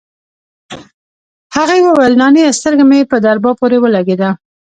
هغې وويل نانيه سترگه مې په درگاه پورې ولگېده.